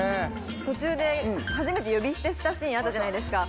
途中で初めて呼び捨てしたシーンあったじゃないですか。